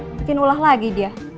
mungkin ulah lagi dia